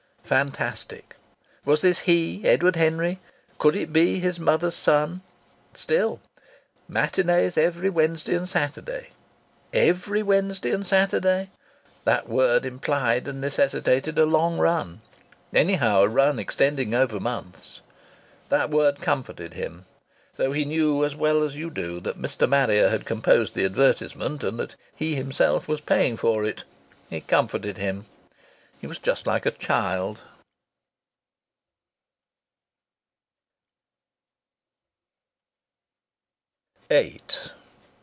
Fantastic! Was this he, Edward Henry? Could it be his mother's son? Still "Matinées every Wednesday and Saturday." "Every Wednesday and Saturday." That word implied and necessitated a long run anyhow a run extending over months. That word comforted him. Though he knew as well as you do that Mr. Marrier had composed the advertisement, and that he himself was paying for it, it comforted him. He was just like a child.